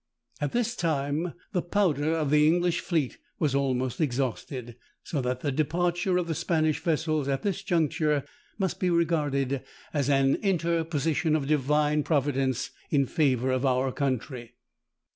At this time the powder of the English fleet was almost exhausted; so that the departure of the Spanish vessels, at this juncture, must be regarded as an interposition of divine providence in favour of our country.